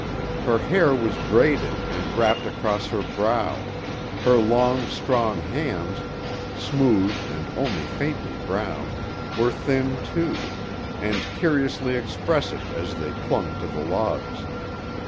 Her hair was braided and wrapped across her brow, her long, strong hands, smooth and only faintly brown, were thin, too, and curiously expressive as they clung to the logs.